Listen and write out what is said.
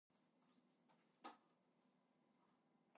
The planet does not transit its host star.